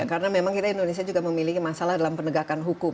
karena memang kita indonesia juga memiliki masalah dalam penegakan hukum